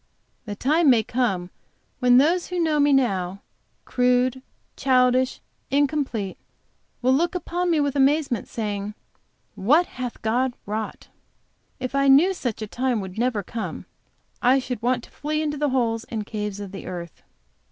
The time may come when those who know me now, crude, childish, incomplete, will look upon me with amazement, saying, "What hath God wrought!" If I knew such a time would never come, I should want to flee into the holes and caves of the earth.